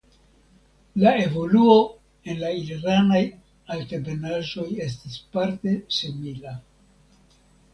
La evoluo en la iranaj altebenaĵoj estis parte simila.